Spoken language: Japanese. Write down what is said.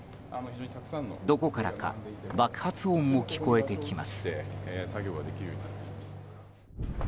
どこからか爆発音も聞こえてきます。